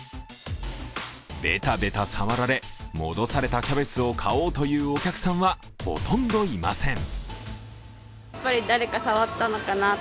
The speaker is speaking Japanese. ベタベタ触られ、戻されたキャベツを買おうというお客さんはほとんどいません。